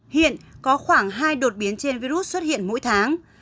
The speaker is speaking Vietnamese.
hiện có khoảng hai đột biến trên virus xuất hiện mỗi tháng